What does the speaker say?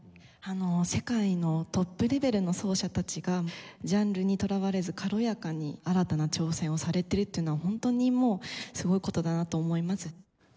世界のトップレベルの奏者たちがジャンルにとらわれず軽やかに新たな挑戦をされているっていうのはホントにもうすごい事だなと思います。